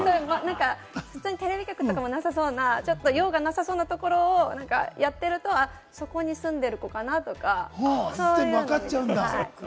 普通にテレビ局とかもなさそうな、用がなさそうなところをやってると、そこに住んでる子かな？とか、そういうのを見てます。